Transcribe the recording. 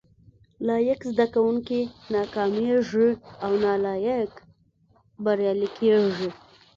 لايق زده کوونکي ناکامېږي او نالايق بريالي کېږي